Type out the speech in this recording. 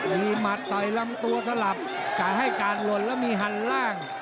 มีหมัดต่อยลำตัวสลับการให้การหล่นแล้วมีหันล่าง